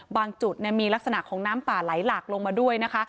จุดมีลักษณะของน้ำป่าไหลหลากลงมาด้วยนะคะ